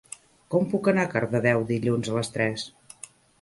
Com puc anar a Cardedeu dilluns a les tres?